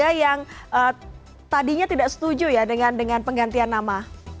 ada yang tadinya tidak setuju ya dengan penggantian nama